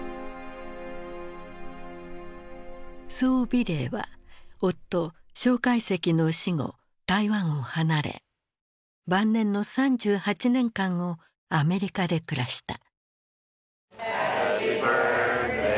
宋美齢は夫介石の死後台湾を離れ晩年の３８年間をアメリカで暮らした。